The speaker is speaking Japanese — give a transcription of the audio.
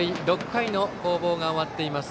６回の攻防が終わっています。